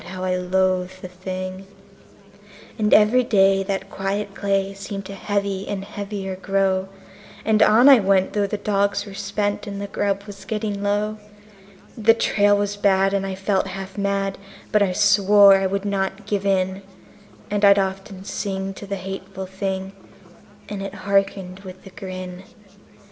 how I loathed the thing. And every day that quiet clay seemed to heavy and heavier grow; And on I went, though the dogs were spent and the grub was getting low; The trail was bad, and I felt half mad, but I swore I would not give in; And I'd often sing to the hateful thing, and it hearkened with a grin.